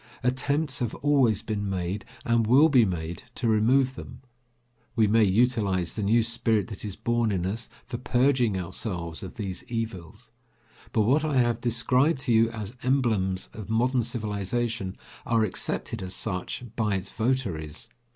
Attempts have always been made, and will be made, to remove them. We may utilise the new spirit that is born in us for purging ourselves of these evils. But what I have described to you as emblems of modern civilization are accepted as such by its votaries.